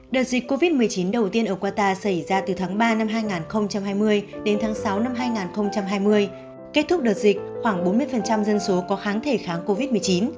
đợt dịch covid một mươi chín đầu tiên ở qatar xảy ra từ tháng ba năm hai nghìn hai mươi đến tháng sáu năm hai nghìn hai mươi kết thúc đợt dịch khoảng bốn mươi dân số có kháng thể kháng covid một mươi chín